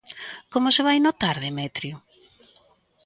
Como se vai notar, Demetrio?